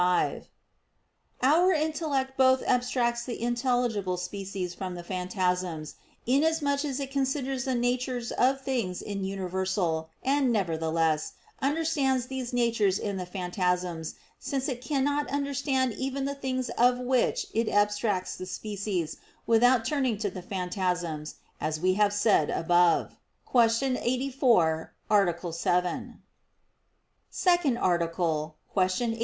5: Our intellect both abstracts the intelligible species from the phantasms, inasmuch as it considers the natures of things in universal, and, nevertheless, understands these natures in the phantasms since it cannot understand even the things of which it abstracts the species, without turning to the phantasms, as we have said above (Q. 84, A. 7). _______________________ SECOND ARTICLE [I, Q.